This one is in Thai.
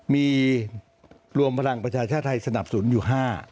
มีรวมพลังประชาชาติไทยสนับสนุนอยู่๕